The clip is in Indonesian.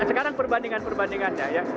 nah sekarang perbandingan perbandingannya ya